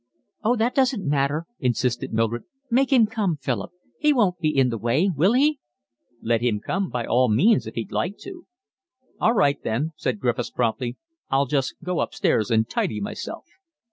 "Oh, that doesn't matter," insisted Mildred. "Make him come, Philip. He won't be in the way, will he?" "Let him come by all means if he'd like to." "All right, then," said Griffiths promptly. "I'll just go upstairs and tidy myself."